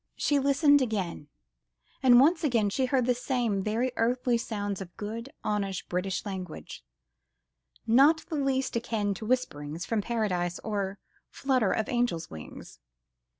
She listened again, and once again she heard the same very earthly sounds of good, honest British language, not the least akin to whisperings from paradise or flutter of angels' wings.